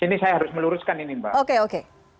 ini saya harus meluruskan ini mbak